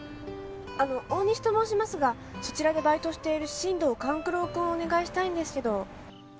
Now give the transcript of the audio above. あの大西と申しますがそちらでバイトしている進藤勘九郎君をお願いしたいんですけど。